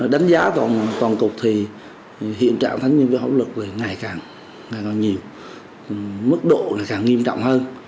đánh giá toàn cục thì hiện trạng thanh niên với hậu lực ngày càng nhiều mức độ ngày càng nghiêm trọng hơn